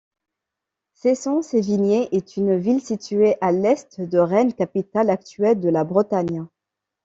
Cesson-Sévigné est une ville située à l’est de Rennes, capitale actuelle de la Bretagne.